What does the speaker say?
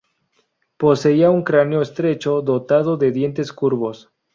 Poseía un cráneo estrecho dotado de dientes curvos.